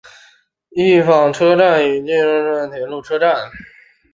御坊车站与纪州铁道所共用的铁路车站。